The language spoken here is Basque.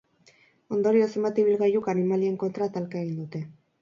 Ondorioz, zenbait ibilgailuk animalien kontra talka egin dute.